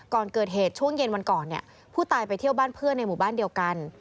ก่อนเกิดเหตุช่วงเย็นวันก่อนเนี่ยผู้ตายไปเที่ยวบ้านเพื่อนในหมู่บ้านเดียวกัน